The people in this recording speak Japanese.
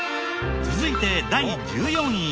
続いて第１４位。